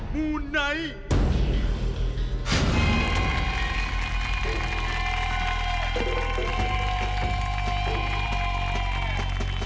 มูไนท์